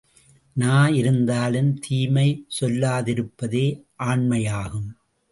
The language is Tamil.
நா இருந்தும் தீமை சொல்லாதிருப்பதே ஆண்மையாகும்.